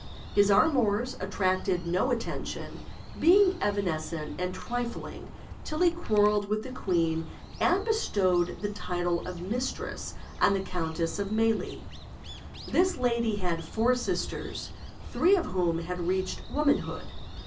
His amours attracted no attention, being evanescent and trifling, till he quarreled with the queen, and bestowed the title of mistress on the Countess of Mailly. This lady had four sisters, three of whom had reached womanhood.